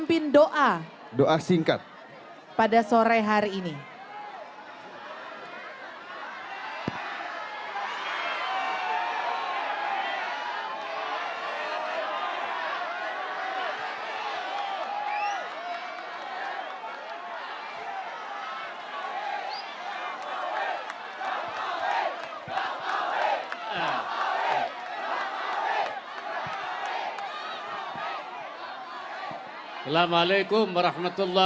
jadikan pertemuan ini pertemuan yang kau rahmati